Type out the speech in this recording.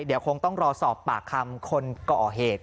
เดี๋ยวคงต้องรอสอบปากคำคนก่อเหตุ